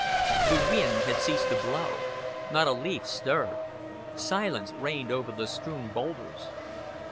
The wind had ceased to blow; not a leaf stirred; silence reigned over the strewn boulders.